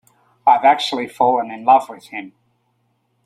I've actually fallen in love with him.